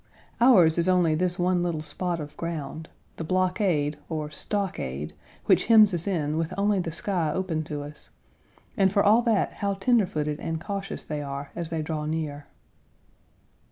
Ours is only this one little spot of ground the blockade, or stockade, which hems us in with only the sky open to us, and for all that, how tender footed and cautious they are as they draw near.